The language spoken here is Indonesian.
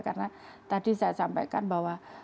karena tadi saya sampaikan bahwa